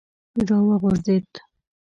را وغورځېد.